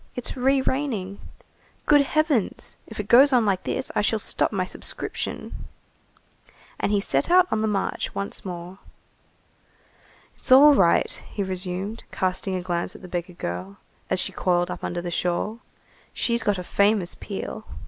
It's re raining! Good Heavens, if it goes on like this, I shall stop my subscription." And he set out on the march once more. "It's all right," he resumed, casting a glance at the beggar girl, as she coiled up under the shawl, "she's got a famous peel."